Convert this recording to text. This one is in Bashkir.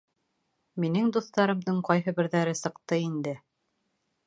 Минең дуҫтарымдың ҡайһы берҙәре сыҡты инде!